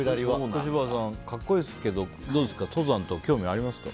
小芝さん、格好いいですけど登山とか興味ありますか？